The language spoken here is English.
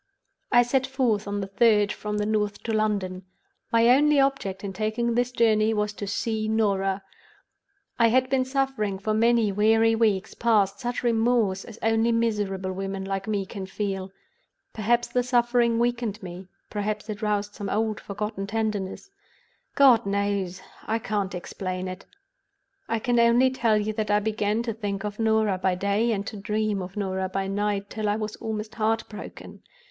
"I set forth on the third from the North to London. My only object in taking this long journey was to see Norah. I had been suffering for many weary weeks past such remorse as only miserable women like me can feel. Perhaps the suffering weakened me; perhaps it roused some old forgotten tenderness—God knows!—I can't explain it; I can only tell you that I began to think of Norah by day, and to dream of Norah by night, till I was almost heartbroken.